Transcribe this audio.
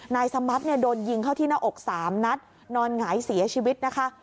นายสมัติเนี่ยโดนยิงเข้าที่หน้าอก๓นัดนอนหงายเสียชีวิตนะคะ